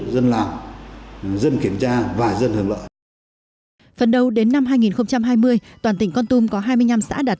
dân làm dân kiểm tra và dân hưởng lợi phần đầu đến năm hai nghìn hai mươi toàn tỉnh con tum có hai mươi năm xã đạt